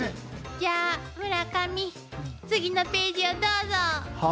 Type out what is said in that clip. じゃあ村上次のページをどうぞ。